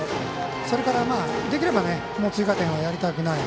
それから、できればもう追加点をやりたくない。